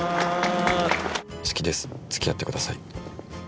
好きです付き合ってください。